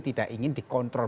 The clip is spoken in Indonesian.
tidak ingin dikontrol